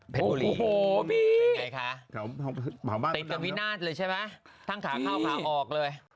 เป็นไงคะติดกับวินาศเลยใช่ไหมทั้งขาเข้าขาออกเลย